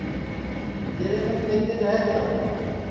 تیرے کن پکیچ ہے کیا